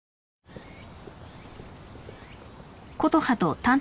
はい。